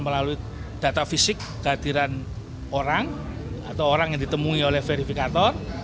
melalui data fisik kehadiran orang atau orang yang ditemui oleh verifikator